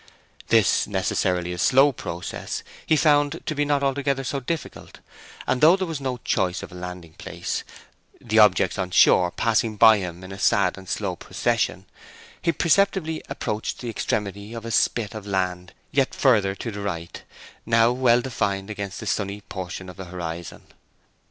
This, necessarily a slow process, he found to be not altogether so difficult, and though there was no choice of a landing place—the objects on shore passing by him in a sad and slow procession—he perceptibly approached the extremity of a spit of land yet further to the right, now well defined against the sunny portion of the horizon.